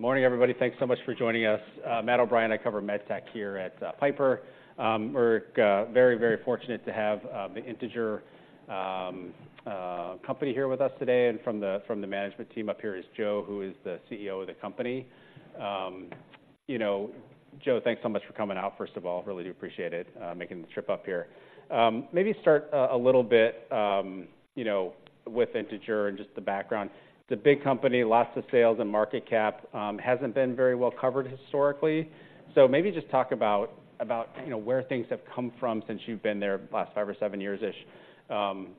Morning, everybody. Thanks so much for joining us. Matt O'Brien, I cover MedTech here at Piper. We're very, very fortunate to have the Integer company here with us today, and from the management team up here is Joe, who is the Chief Executive Officer of the company. You know, Joe, thanks so much for coming out, first of all. Really do appreciate it, making the trip up here. Maybe start a little bit, you know, with Integer and just the background. It's a big company, lots of sales and market cap. Hasn't been very well-covered historically. Maybe just talk about you know where things have come from since you've been there the last five or seven years-ish,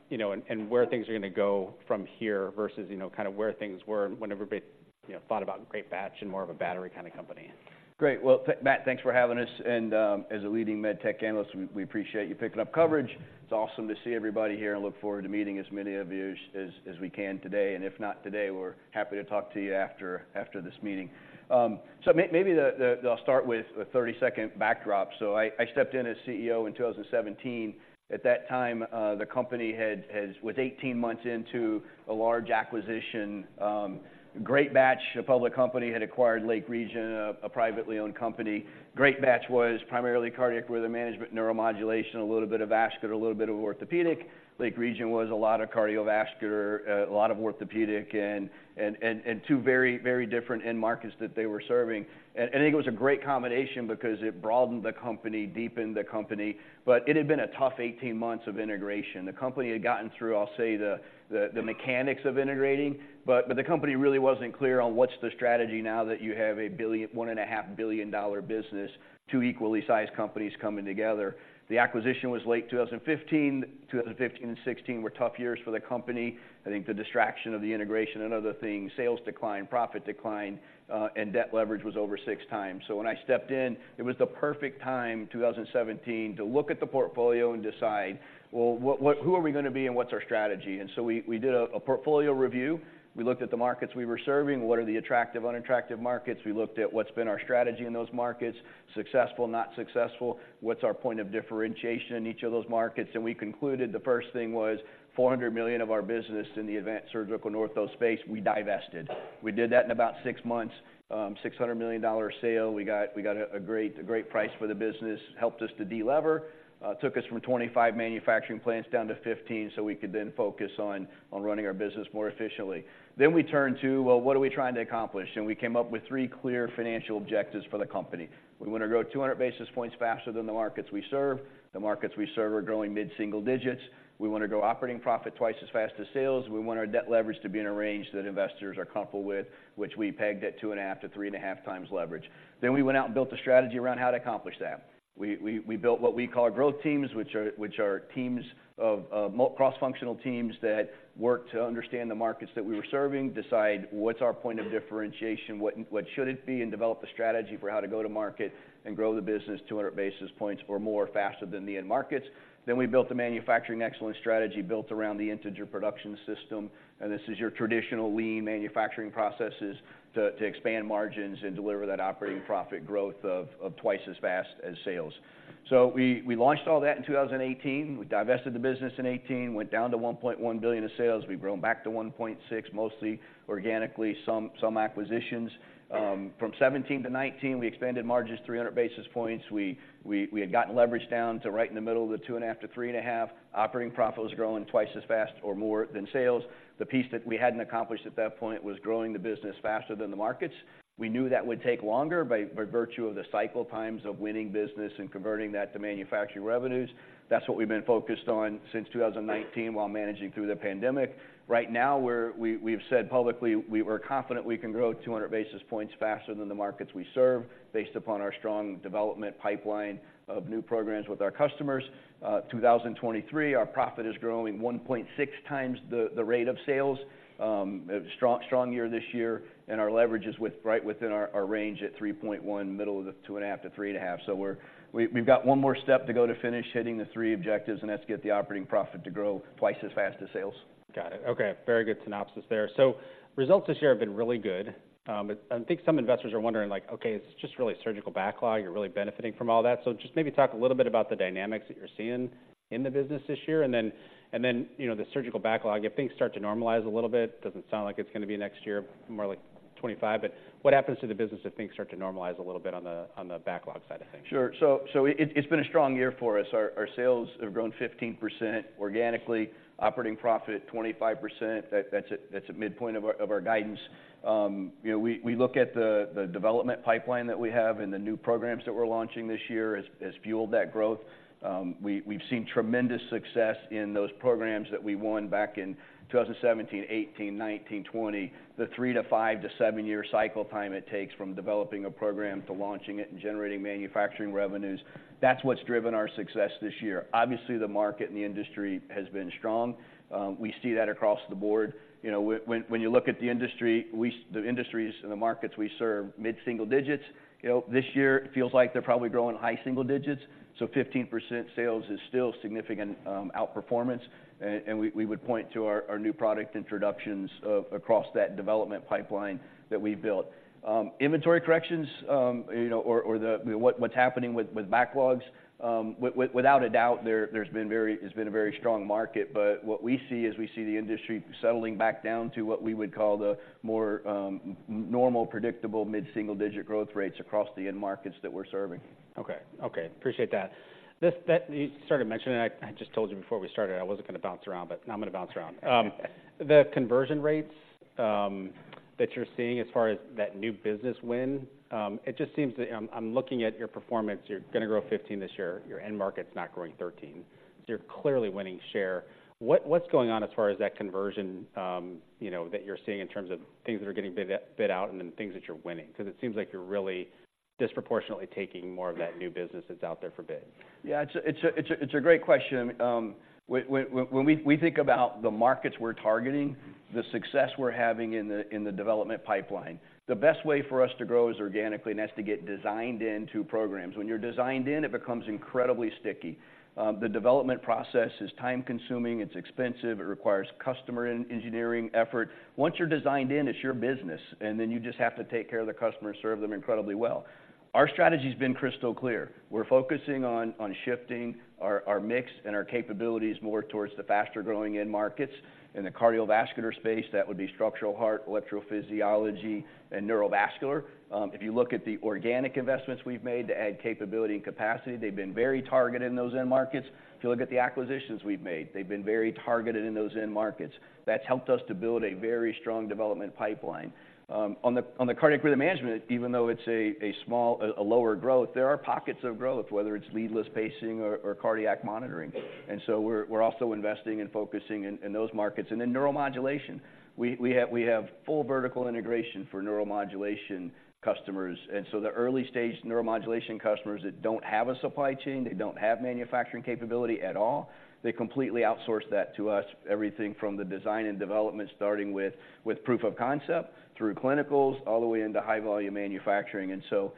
you know, and where things are gonna go from here versus, you know, kind of where things were when everybody, you know, thought about Greatbatch and more of a battery kind of company. Great. Well, Matt, thanks for having us, and as a leading MedTech analyst, we appreciate you picking up coverage. It's awesome to see everybody here and look forward to meeting as many of you as we can today, and if not today, we're happy to talk to you after this meeting. So I'll start with a 30-second backdrop. So I stepped in as Chief Executive Officer in 2017. At that time, the company was 18 months into a large acquisition. Greatbatch, a public company, had acquired Lake Region, a privately owned company. Greatbatch was primarily cardiac rhythm management, neuromodulation, a little bit of vascular, a little bit of orthopedic. Lake Region was a lot of cardiovascular, a lot of orthopedic and two very, very different end markets that they were serving. I think it was a great combination because it broadened the company, deepened the company, but it had been a tough 18 months of integration. The company had gotten through, I'll say, the mechanics of integrating, but the company really wasn't clear on what's the strategy now that you have a $1.5 billion business, two equally sized companies coming together. The acquisition was late 2015. 2015 and 2016 were tough years for the company. I think the distraction of the integration and other things, sales declined, profit declined, and debt leverage was over 6x. So when I stepped in, it was the perfect time, 2017, to look at the portfolio and decide, well, what, what—who are we gonna be and what's our strategy? And so we did a portfolio review. We looked at the markets we were serving, what are the attractive, unattractive markets? We looked at what's been our strategy in those markets, successful, not successful. What's our point of differentiation in each of those markets? And we concluded the first thing was $400 million of our business in the advanced surgical and ortho space, we divested. We did that in about six months, $600 million sale. We got a great price for the business. Helped us to de-lever. Took us from 25 manufacturing plants down to 15, so we could then focus on running our business more efficiently. Then we turned to, well, what are we trying to accomplish? And we came up with three clear financial objectives for the company. We want to grow 200 basis points faster than the markets we serve. The markets we serve are growing mid-single digits. We want to grow operating profit twice as fast as sales. We want our debt leverage to be in a range that investors are comfortable with, which we pegged at 2.5-3.5x leverage. Then we went out and built a strategy around how to accomplish that. We built what we call our growth teams, which are teams of cross-functional teams that work to understand the markets that we were serving, decide what's our point of differentiation, what should it be, and develop a strategy for how to go to market and grow the business 200 basis points or more faster than the end markets. Then we built a manufacturing excellence strategy, built around the Integer Production System, and this is your traditional lean manufacturing processes, to expand margins and deliver that operating profit growth of twice as fast as sales. So we launched all that in 2018. We divested the business in 2018, went down to $1.1 billion of sales. We've grown back to $1.6 billion, mostly organically, some acquisitions. From 2017 to 2019, we expanded margins 300 basis points. We had gotten leverage down to right in the middle of the two point five to three point five. Operating profit was growing twice as fast or more than sales. The piece that we hadn't accomplished at that point was growing the business faster than the markets. We knew that would take longer by virtue of the cycle times of winning business and converting that to manufacturing revenues. That's what we've been focused on since 2019 while managing through the pandemic. Right now, we've said publicly we're confident we can grow 200 basis points faster than the markets we serve, based upon our strong development pipeline of new programs with our customers. 2023, our profit is growing 1.6x the rate of sales. A strong, strong year this year, and our leverage is right within our range at three point one, middle of the two point five to three point five So we've got one more step to go to finish hitting the three objectives, and that's to get the operating profit to grow twice as fast as sales. Got it. Okay, very good synopsis there. So results this year have been really good. I think some investors are wondering, like, okay, is this just really surgical backlog? You're really benefiting from all that. So just maybe talk a little bit about the dynamics that you're seeing in the business this year, and then, you know, the surgical backlog, if things start to normalize a little bit, doesn't sound like it's gonna be next year, more like 2025, but what happens to the business if things start to normalize a little bit on the, on the backlog side of things? Sure. So it's been a strong year for us. Our sales have grown 15% organically, operating profit 25%. That's a midpoint of our guidance. You know, we look at the development pipeline that we have and the new programs that we're launching this year has fueled that growth. We've seen tremendous success in those programs that we won back in 2017, 2018, 2019, 2020. The three- to five- to seven-year cycle time it takes from developing a program to launching it and generating manufacturing revenues, that's what's driven our success this year. Obviously, the market and the industry has been strong. We see that across the board. You know, when you look at the industry, we—the industries and the markets we serve, mid-single digits. You know, this year it feels like they're probably growing high single digits, so 15% sales is still significant outperformance, and we would point to our new product introductions across that development pipeline that we've built. Inventory corrections, you know, or what's happening with backlogs, without a doubt, there's been a very strong market, but what we see is we see the industry settling back down to what we would call the more normal, predictable, mid-single-digit growth rates across the end markets that we're serving. Okay. Okay, appreciate that. This that you started mentioning, I just told you before we started I wasn't gonna bounce around, but now I'm gonna bounce around. The conversion rates that you're seeing as far as that new business win, it just seems that I'm looking at your performance. You're gonna grow 15% this year. Your end market's not growing 13%, so you're clearly winning share. What's going on as far as that conversion, you know, that you're seeing in terms of things that are getting bid out and then things that you're winning? Because it seems like you're really disproportionately taking more of that new business that's out there for bid. Yeah, it's a great question. When we think about the markets we're targeting, the success we're having in the development pipeline, the best way for us to grow is organically, and that's to get designed into programs. When you're designed in, it becomes incredibly sticky. The development process is time-consuming, it's expensive, it requires customer engineering effort. Once you're designed in, it's your business, and then you just have to take care of the customer and serve them incredibly well. Our strategy's been crystal clear. We're focusing on shifting our mix and our capabilities more towards the faster-growing end markets. In the cardiovascular space, that would be Structural Heart, Electrophysiology, and Neurovascular. If you look at the organic investments we've made to add capability and capacity, they've been very targeted in those end markets. If you look at the acquisitions we've made, they've been very targeted in those end markets. That's helped us to build a very strong development pipeline. On the Cardiac Rhythm Management, even though it's a lower growth, there are pockets of growth, whether it's Leadless Pacing or cardiac monitoring, and so we're also investing and focusing in those markets. And then neuromodulation, we have full vertical integration for neuromodulation customers, and so the early-stage neuromodulation customers that don't have a supply chain, they don't have manufacturing capability at all, they completely outsource that to us, everything from the design and development, starting with proof of concept, through clinicals, all the way into high-volume manufacturing. And so,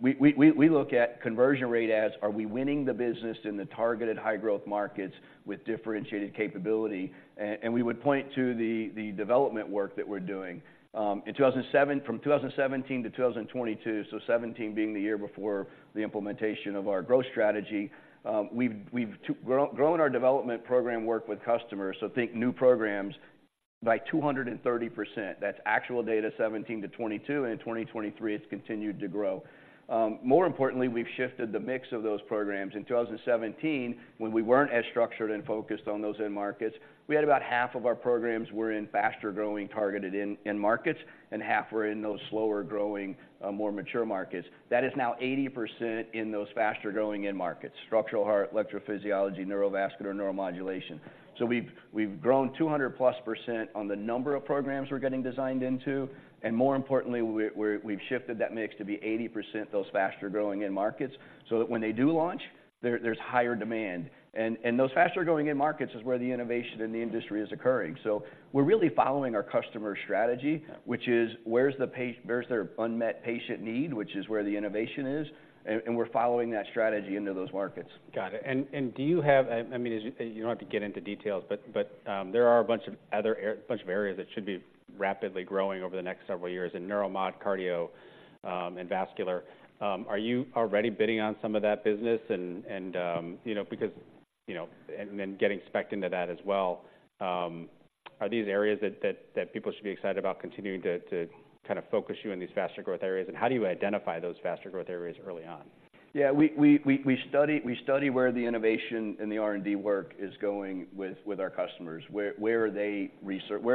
we look at conversion rate as, are we winning the business in the targeted high-growth markets with differentiated capability? And we would point to the development work that we're doing. From 2017 to 2022, so 2017 being the year before the implementation of our growth strategy, we've grown our development program work with customers, so think new programs, by 230%. That's actual data, 2017 to 2022, and in 2023, it's continued to grow. More importantly, we've shifted the mix of those programs. In 2017, when we weren't as structured and focused on those end markets, we had about half of our programs were in faster-growing, targeted end markets, and half were in those slower-growing, more mature markets. That is now 80% in those faster-growing end markets, Structural Heart, Electrophysiology, Neurovascular, Neuromodulation. So we've grown 200%+ on the number of programs we're getting designed into, and more importantly, we've shifted that mix to be 80% those faster-growing end markets, so that when they do launch, there's higher demand. And those faster-growing end markets is where the innovation in the industry is occurring. So we're really following our customer strategy, which is where's their unmet patient need, which is where the innovation is, and we're following that strategy into those markets. Got it. And do you have... I mean, as you don't have to get into details, but there are a bunch of other areas that should be rapidly growing over the next several years in neuromod, cardio, and vascular. Are you already bidding on some of that business? And you know, because, you know, and then getting spec'd into that as well, are these areas that people should be excited about continuing to kind of focus you in these faster growth areas? And how do you identify those faster growth areas early on? Yeah, we study where the innovation and the R&D work is going with our customers. Where are they researching? What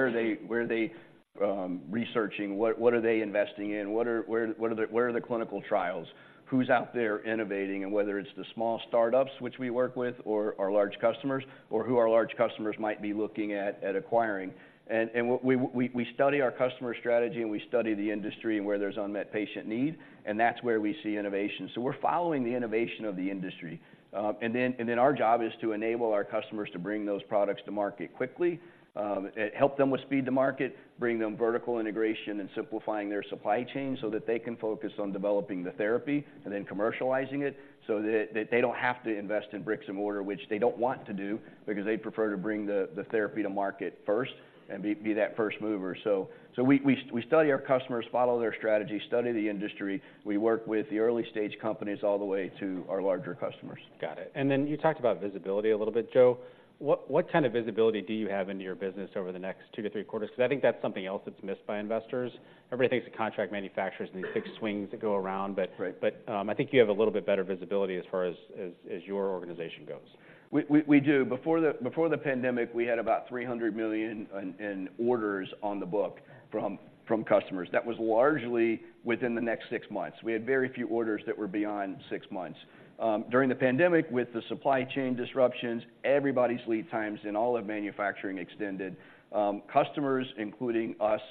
are they investing in? Where are the clinical trials? Who's out there innovating? And whether it's the small startups, which we work with, or our large customers, or who our large customers might be looking at acquiring. And we study our customer strategy, and we study the industry and where there's unmet patient need, and that's where we see innovation. So we're following the innovation of the industry. And then our job is to enable our customers to bring those products to market quickly, and help them with speed to market, bring them vertical integration, and simplifying their supply chain so that they can focus on developing the therapy and then commercializing it, so that they don't have to invest in bricks-and-mortar, which they don't want to do because they prefer to bring the therapy to market first and be that first mover. So we study our customers, follow their strategy, study the industry. We work with the early-stage companies all the way to our larger customers. Got it. And then you talked about visibility a little bit, Joe. What, what kind of visibility do you have into your business over the next two to three quarters? Because I think that's something else that's missed by investors. Everybody thinks the contract manufacturers and these big swings that go around, but- Right. But, I think you have a little bit better visibility as far as your organization goes. We do. Before the pandemic, we had about $300 million in orders on the book from customers. That was largely within the next six months. We had very few orders that were beyond six months. During the pandemic, with the supply chain disruptions, everybody's lead times in all of manufacturing extended. Customers, including us,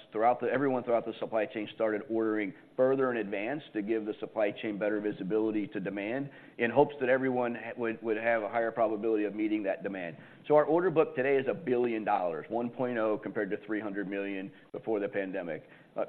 everyone throughout the supply chain, started ordering further in advance to give the supply chain better visibility to demand, in hopes that everyone would have a higher probability of meeting that demand. So our order book today is $1.0 billion, compared to $300 million before the pandemic.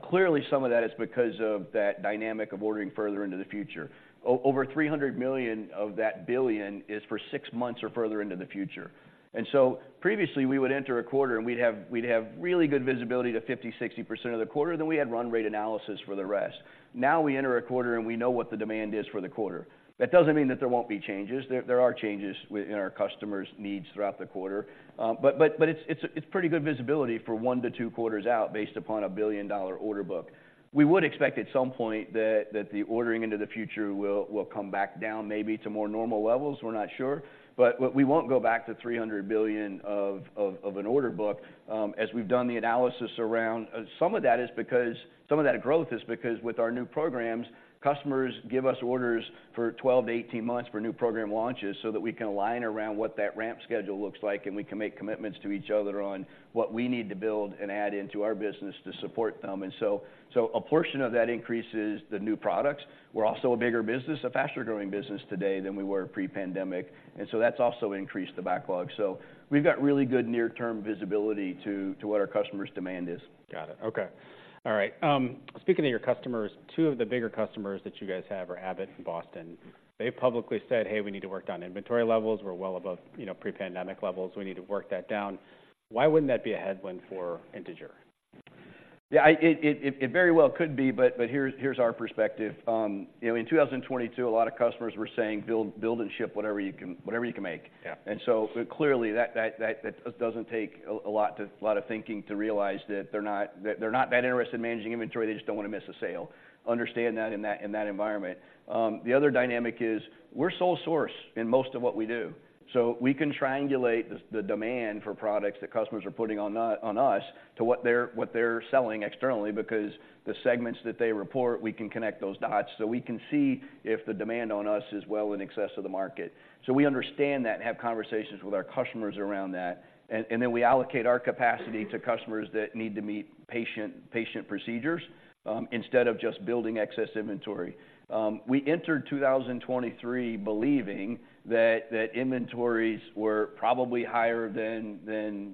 Clearly, some of that is because of that dynamic of ordering further into the future. Over $300 million of that $1 billion is for six months or further into the future. And so previously, we would enter a quarter, and we'd have really good visibility to 50%, 60% of the quarter, then we had run rate analysis for the rest. Now, we enter a quarter, and we know what the demand is for the quarter. That doesn't mean that there won't be changes. There are changes within our customers' needs throughout the quarter. But it's pretty good visibility for one to two quarters out based upon a billion-dollar order book. We would expect at some point that the ordering into the future will come back down maybe to more normal levels. We're not sure. But we won't go back to $300 billion order book, as we've done the analysis around. Some of that is because, some of that growth is because with our new programs, customers give us orders for 12 to 18 months for new program launches so that we can align around what that ramp schedule looks like, and we can make commitments to each other on what we need to build and add into our business to support them. And so a portion of that increase is the new products. We're also a bigger business, a faster-growing business today than we were pre-pandemic, and so that's also increased the backlog. So we've got really good near-term visibility to what our customers' demand is. Got it. Okay. All right, speaking of your customers, two of the bigger customers that you guys have are Abbott and Boston Scientific. They've publicly said, "Hey, we need to work down inventory levels. We're well above, you know, pre-pandemic levels. We need to work that down." Why wouldn't that be a headwind for Integer? Yeah, it very well could be, but here's our perspective. You know, in 2022, a lot of customers were saying, "Build, build, and ship whatever you can, whatever you can make. Yeah. So clearly, that doesn't take a lot of thinking to realize that they're not that interested in managing inventory. They just don't want to miss a sale. Understand that in that environment. The other dynamic is we're sole source in most of what we do, so we can triangulate the demand for products that customers are putting on us to what they're selling externally, because the segments that they report, we can connect those dots, so we can see if the demand on us is well in excess of the market. So we understand that and have conversations with our customers around that, and then we allocate our capacity to customers that need to meet patient procedures, instead of just building excess inventory. We entered 2023 believing that inventories were probably higher than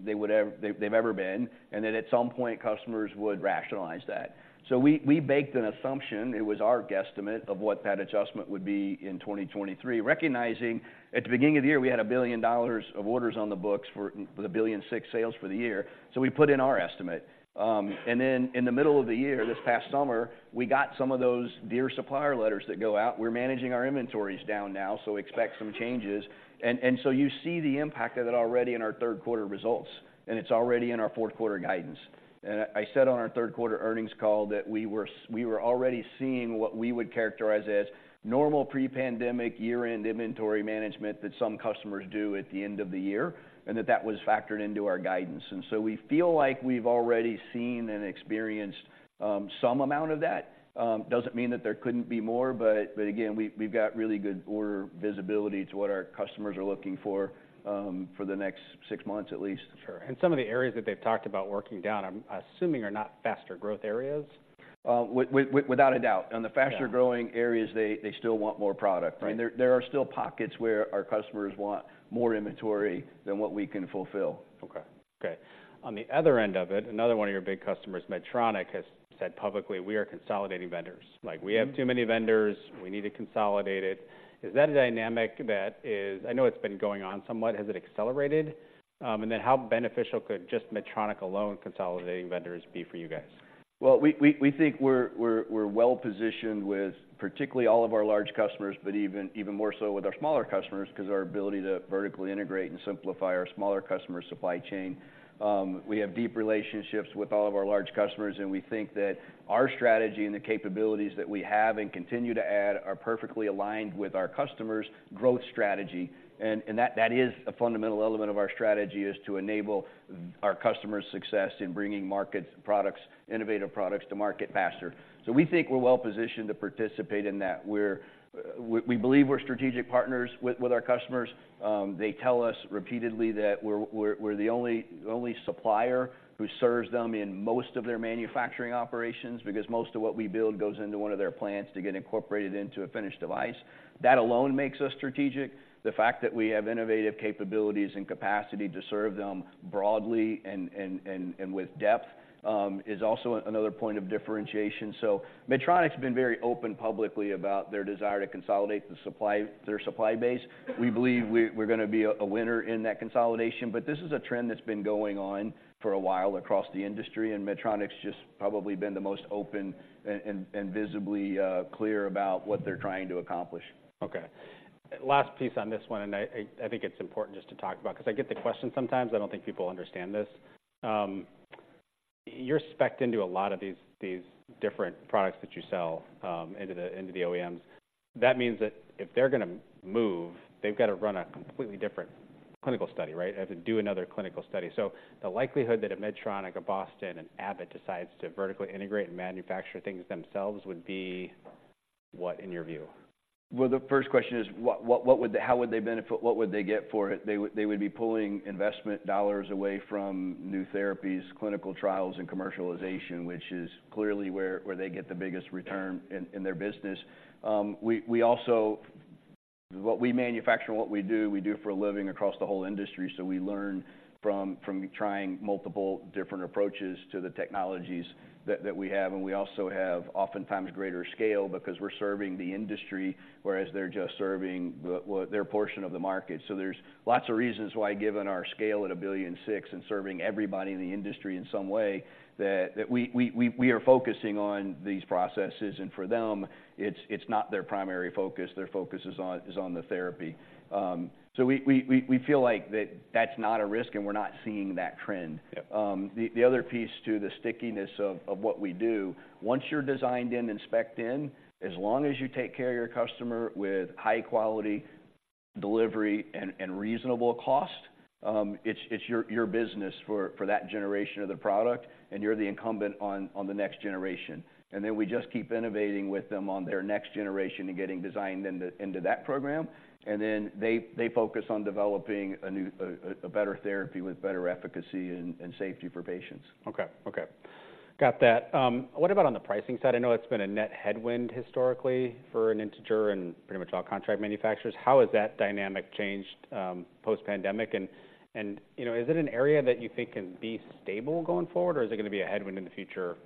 they would ever have been, and that at some point, customers would rationalize that. So we baked an assumption, it was our guesstimate, of what that adjustment would be in 2023, recognizing at the beginning of the year, we had $1 billion of orders on the books with $1.006 billion sales for the year. So we put in our estimate. And then in the middle of the year, this past summer, we got some of those dear supplier letters that go out. We're managing our inventories down now, so expect some changes. And so you see the impact of that already in our third quarter results, and it's already in our fourth quarter guidance. I said on our third quarter earnings call that we were already seeing what we would characterize as normal pre-pandemic, year-end inventory management that some customers do at the end of the year, and that that was factored into our guidance. And so we feel like we've already seen and experienced some amount of that. Doesn't mean that there couldn't be more, but, but again, we, we've got really good order visibility to what our customers are looking for for the next six months at least. Sure. Some of the areas that they've talked about working down, I'm assuming, are not faster growth areas? Without a doubt. Yeah. On the faster-growing areas, they still want more product. Right. I mean, there are still pockets where our customers want more inventory than what we can fulfill. Okay. Okay, on the other end of it, another one of your big customers, Medtronic, has said publicly, "We are consolidating vendors. Like, we have too many vendors, we need to consolidate it." Is that a dynamic that is... I know it's been going on somewhat. Has it accelerated? And then how beneficial could just Medtronic alone consolidating vendors be for you guys? Well, we think we're well positioned with particularly all of our large customers, but even more so with our smaller customers, 'cause our ability to vertically integrate and simplify our smaller customer supply chain. We have deep relationships with all of our large customers, and we think that our strategy and the capabilities that we have and continue to add are perfectly aligned with our customers' growth strategy. And that is a fundamental element of our strategy, is to enable our customers' success in bringing markets products, innovative products to market faster. So we think we're well positioned to participate in that. We believe we're strategic partners with our customers. They tell us repeatedly that we're the only supplier who serves them in most of their manufacturing operations, because most of what we build goes into one of their plants to get incorporated into a finished device. That alone makes us strategic. The fact that we have innovative capabilities and capacity to serve them broadly and with depth is also another point of differentiation. So Medtronic's been very open publicly about their desire to consolidate the supply, their supply base. We believe we're gonna be a winner in that consolidation, but this is a trend that's been going on for a while across the industry, and Medtronic's just probably been the most open and visibly clear about what they're trying to accomplish. Okay. Last piece on this one, and I think it's important just to talk about, 'cause I get the question sometimes. I don't think people understand this. You're spec'd into a lot of these different products that you sell into the OEMs. That means that if they're gonna move, they've got to run a completely different clinical study, right? They have to do another clinical study. So the likelihood that a Medtronic, a Boston, an Abbott decides to vertically integrate and manufacture things themselves would be what, in your view? Well, the first question is, what would the-- how would they benefit? What would they get for it? They would be pulling investment dollars away from new therapies, clinical trials, and commercialization, which is clearly where they get the biggest return- Yeah... in their business. We also— What we manufacture and what we do, we do for a living across the whole industry, so we learn from trying multiple different approaches to the technologies that we have. And we also have oftentimes greater scale because we're serving the industry, whereas they're just serving the, well, their portion of the market. So there's lots of reasons why, given our scale at $1.6 billion and serving everybody in the industry in some way, that we are focusing on these processes, and for them, it's not their primary focus. Their focus is on the therapy. So we feel like that's not a risk, and we're not seeing that trend. Yep. The other piece to the stickiness of what we do, once you're designed in and spec'd in, as long as you take care of your customer with high quality delivery and reasonable cost, it's your business for that generation of the product, and you're the incumbent on the next generation. And then we just keep innovating with them on their next generation and getting designed into that program, and then they focus on developing a new better therapy with better efficacy and safety for patients. Okay. Okay, got that. What about on the pricing side? I know that's been a net headwind historically for Integer and pretty much all contract manufacturers. How has that dynamic changed, post-pandemic? And, you know, is it an area that you think can be stable going forward, or is it gonna be a headwind in the future?...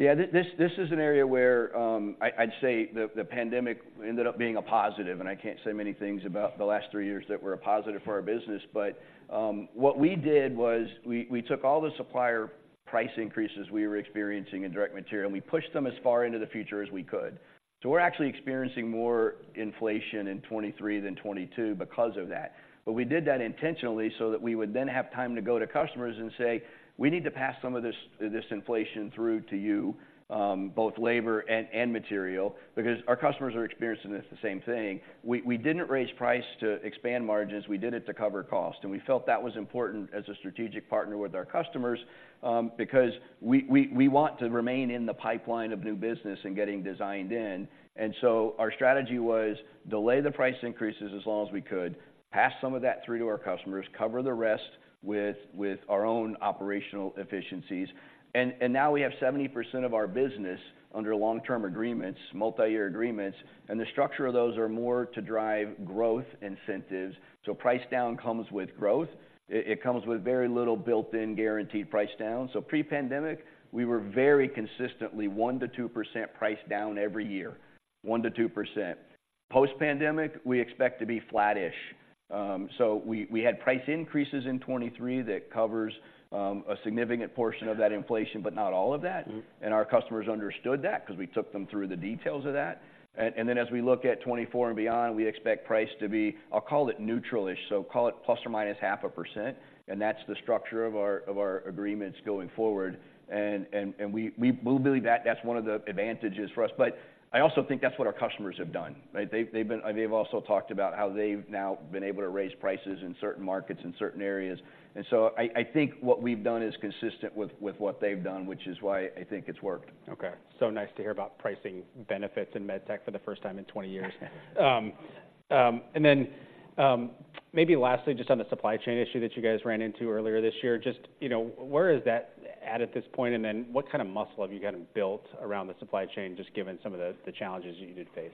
Yeah, this is an area where, I'd say the pandemic ended up being a positive, and I can't say many things about the last three years that were a positive for our business. But, what we did was we took all the supplier price increases we were experiencing in direct material, and we pushed them as far into the future as we could. So we're actually experiencing more inflation in 2023 than 2022 because of that. But we did that intentionally so that we would then have time to go to customers and say, "We need to pass some of this inflation through to you, both labor and material," because our customers are experiencing the same thing. We didn't raise price to expand margins. We did it to cover cost. And we felt that was important as a strategic partner with our customers, because we want to remain in the pipeline of new business and getting designed in. And so our strategy was: delay the price increases as long as we could, pass some of that through to our customers, cover the rest with our own operational efficiencies. And now we have 70% of our business under long-term agreements, multi-year agreements, and the structure of those are more to drive growth incentives. So price down comes with growth. It comes with very little built-in guaranteed price down. So pre-pandemic, we were very consistently 1% to 2% priced down every year, 1% to 2%. Post-pandemic, we expect to be flattish. We had price increases in 2023 that covers a significant portion of that inflation, but not all of that. And our customers understood that 'cause we took them through the details of that. And then as we look at 2024 and beyond, we expect price to be, I'll call it, neutral-ish, so call it ±0.5%, and that's the structure of our agreements going forward. And we believe that that's one of the advantages for us. But I also think that's what our customers have done, right? They've also talked about how they've now been able to raise prices in certain markets and certain areas, and so I think what we've done is consistent with what they've done, which is why I think it's worked. Okay. So nice to hear about pricing benefits in med tech for the first time in 20 years. And then, maybe lastly, just on the supply chain issue that you guys ran into earlier this year, just, you know, where is that at this point? And then what kind of muscle have you gotten built around the supply chain, just given some of the challenges you did face?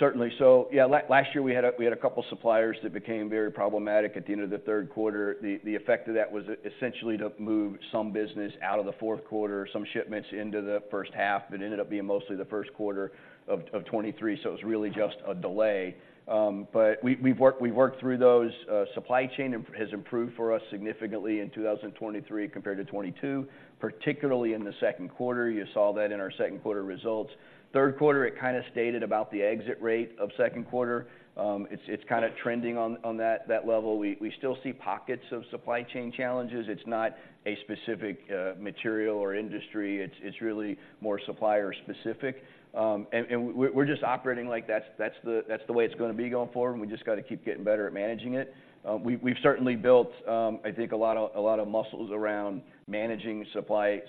Certainly. So yeah, last year, we had a couple suppliers that became very problematic at the end of the third quarter. The effect of that was essentially to move some business out of the fourth quarter, some shipments into the first half, but ended up being mostly the first quarter of 2023, so it was really just a delay. But we've worked through those. Supply chain has improved for us significantly in 2023 compared to 2022, particularly in the second quarter. You saw that in our second quarter results. Third quarter, it kind of stayed at about the exit rate of second quarter. It's kind of trending on that level. We still see pockets of supply chain challenges. It's not a specific material or industry. It's really more supplier specific. We're just operating like that's the way it's gonna be going forward, and we just got to keep getting better at managing it. We've certainly built, I think, a lot of muscles around managing supply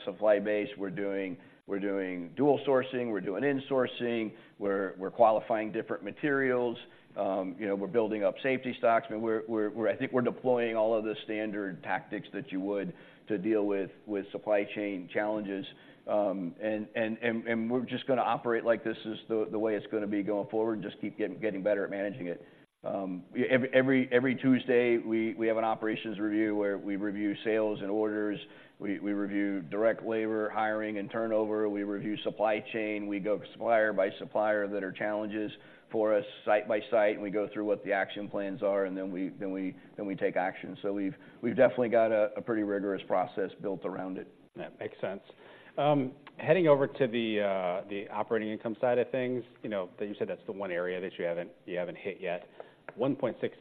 base. We're doing dual sourcing, we're doing insourcing, we're qualifying different materials. You know, we're building up safety stocks. I mean, I think we're deploying all of the standard tactics that you would to deal with supply chain challenges. And we're just gonna operate like this is the way it's gonna be going forward and just keep getting better at managing it. Every Tuesday, we have an operations review, where we review sales and orders, we review direct labor, hiring, and turnover. We review supply chain. We go supplier by supplier that are challenges for us site by site, and we go through what the action plans are, and then we take action. So we've definitely got a pretty rigorous process built around it. That makes sense. Heading over to the, the operating income side of things, you know, that you said that's the one area that you haven't, you haven't hit yet. 1.6x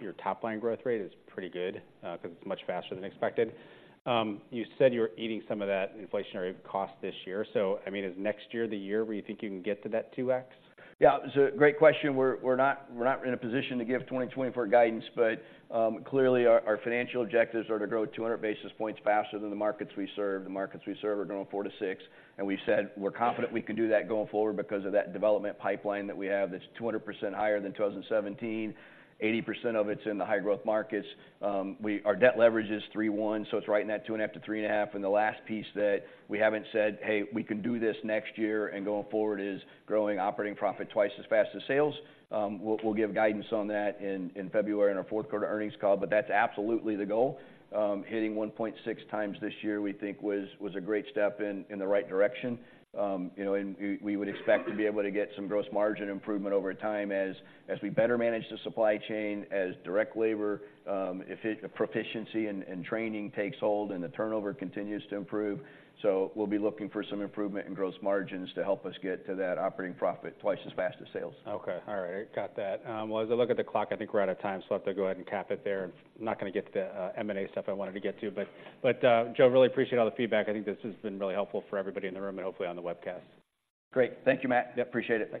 your top line growth rate is pretty good, 'cause it's much faster than expected. You said you were eating some of that inflationary cost this year. So, I mean, is next year the year where you think you can get to that 2x? Yeah, it's a great question. We're not in a position to give 2024 guidance, but clearly, our financial objectives are to grow 200 basis points faster than the markets we serve. The markets we serve are growing 4%to 6%, and we've said we're confident we can do that going forward because of that development pipeline that we have that's 200% higher than 2017. 80% of it's in the high-growth markets. Our debt leverage is 3.1, so it's right in that 2.5 to 3.5. And the last piece that we haven't said, "Hey, we can do this next year and going forward," is growing operating profit twice as fast as sales. We'll give guidance on that in February, in our fourth-quarter earnings call, but that's absolutely the goal. Hitting 1.6x this year, we think, was a great step in the right direction. You know, and we would expect to be able to get some gross margin improvement over time as we better manage the supply chain, as direct labor efficiency and proficiency and training takes hold, and the turnover continues to improve. So we'll be looking for some improvement in gross margins to help us get to that operating profit twice as fast as sales. Okay. All right, got that. Well, as I look at the clock, I think we're out of time, so I'll have to go ahead and cap it there. I'm not gonna get to the M&A stuff I wanted to get to, but Joe, really appreciate all the feedback. I think this has been really helpful for everybody in the room and hopefully on the webcast. Great. Thank you, Matt. Yeah, appreciate it. Thank you.